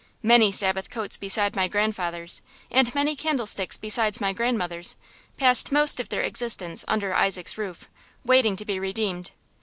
Many Sabbath coats besides my grandfather's, and many candlesticks besides my grandmother's, passed most of their existence under Isaac's roof, waiting to be redeemed.